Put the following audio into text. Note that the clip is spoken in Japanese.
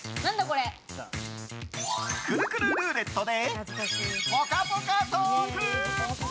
くるくるルーレットでぽかぽかトーク！